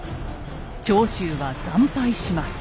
長州は惨敗します。